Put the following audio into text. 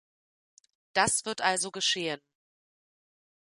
Das wird also geschehen.